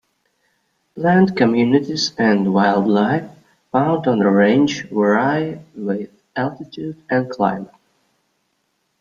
Plant communities and wildlife found on the Range vary with altitude and climate.